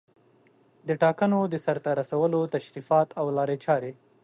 د ټاکنو د سرته رسولو تشریفات او لارې چارې